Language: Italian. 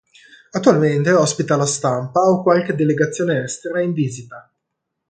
Attualmente ospita la stampa o qualche delegazione estera in visita.